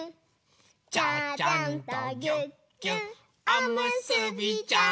「ちゃちゃんとぎゅっぎゅっおむすびちゃん」